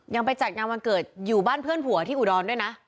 ไปจัดงานวันเกิดอยู่บ้านเพื่อนผัวที่อุดรด้วยนะ